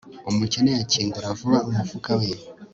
umukene akingura vuba umufuka we